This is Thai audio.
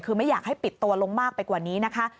คือไม่อยากให้ปิดตัวลงมากไปกว่านี้นะคะ